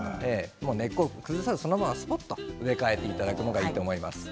根っこを崩さず、そのまますぽっと植え替えていただければと思います。